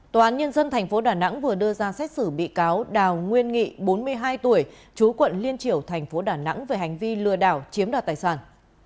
tòa án nhân dân tp đà nẵng vừa đưa ra xét xử bị cáo đào nguyên nghị bốn mươi hai tuổi chú quận liên triểu thành phố đà nẵng về hành vi lừa đảo chiếm đoạt tài sản